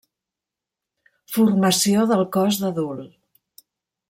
Formació del cos d'adult.